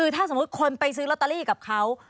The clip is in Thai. ถ้าสมมุติคนไปซื้อลอตเตอรี่กับเขา